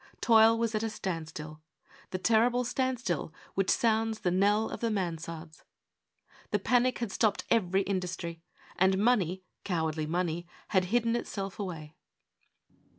Toil was at a stand still, the terrible standstill which sounds the knell of the mansardes. The panic had stopped every industry; and money, cowardly money, had hidden itself away.